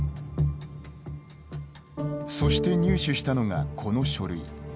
そして入手したのが、この書類。